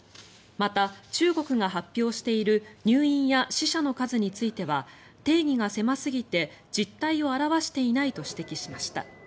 また、中国が発表してる入院や死者の数については定義が狭すぎて実態を表していないと指摘しました。